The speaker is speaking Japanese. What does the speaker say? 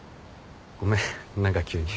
ごめん何か急に。